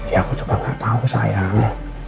ya aku juga gak tau sayang